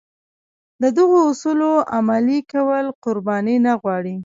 د دغو اصولو عملي کول قرباني نه غواړي.